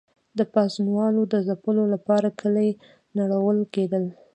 د پاڅونوالو د ځپلو لپاره کلي نړول کېدل.